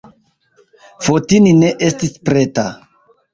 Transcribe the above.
Fotini ne estis preta.